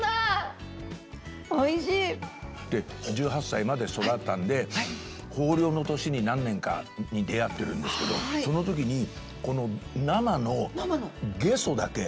１８歳まで育ったんで豊漁の年に何年かに出会ってるんですけどそのときにこの生のゲソだけ。